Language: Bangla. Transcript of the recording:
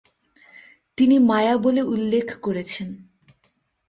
তিনি ‘মায়া’ বলে উল্লেখ করেছেন।